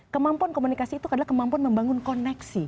kemampuan komunikasi itu adalah kemampuan membangun koneksi